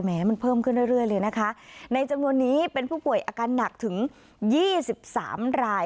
แหมมันเพิ่มขึ้นเรื่อยเรื่อยเลยนะคะในจำนวนนี้เป็นผู้ป่วยอาการหนักถึงยี่สิบสามราย